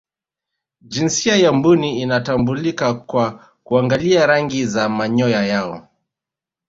jinsia ya mbuni inatambulika kwa kuangalia rangi za manyoya yao